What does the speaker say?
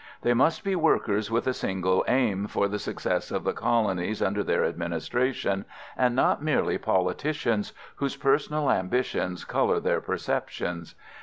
They must be workers with a single aim for the success of the colonies under their administration, and not merely politicians whose personal ambitions colour their perceptions.